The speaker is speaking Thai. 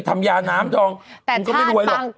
ทำยาน้ำดองแต่มันก็ไม่รวยหรอก